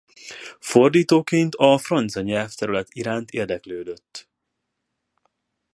Fordítóként a francia nyelvterület iránt érdeklődött.